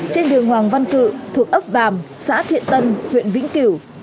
trên đường hoàng văn cự thuộc ấp vàm xã thiện tân huyện vĩnh cửu